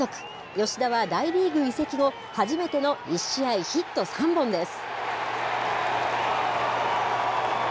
吉田は大リーグ移籍後、初めての１試合ヒット３本です。